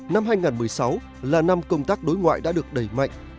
năm hai nghìn một mươi sáu là năm công tác đối ngoại đã được đẩy mạnh